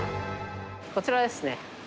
こちらですね。